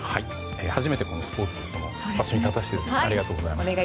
初めてスポーツの場所に立たせていただいてありがとうございます。